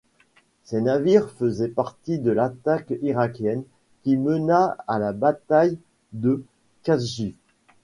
Ces navires faisait partie de l'attaque irakienne qui mena à la bataille de Khafji.